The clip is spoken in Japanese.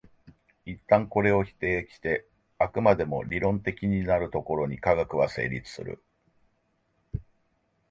一旦これを否定して飽くまでも理論的になるところに科学は成立する。